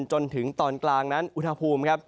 จนถึงตอนกลางนั้นอุณหภูมิครับ